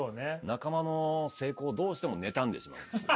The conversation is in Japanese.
仲間の成功をどうしても妬んでしまうんですよ。